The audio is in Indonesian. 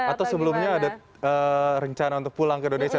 atau sebelumnya ada rencana untuk pulang ke indonesia